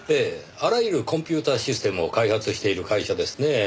あらゆるコンピューターシステムを開発している会社ですねぇ。